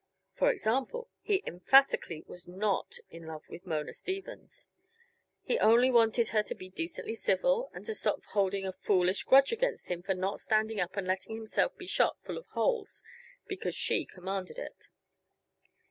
For example, he emphatically was not in love with Mona Stevens. He only wanted her to be decently civil and to stop holding a foolish grudge against him for not standing up and letting himself be shot full of holes because she commanded it.